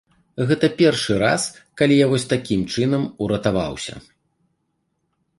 Гэта першы раз, калі я вось такім чынам уратаваўся.